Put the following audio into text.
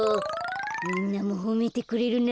みんなもほめてくれるな。